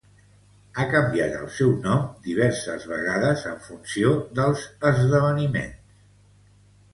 Ha canviat el seu nom diverses vegades en funció dels esdeveniments.